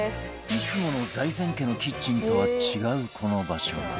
いつもの財前家のキッチンとは違うこの場所。